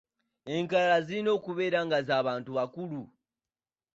Enkalala zirina okubeera nga za bantu bakulu.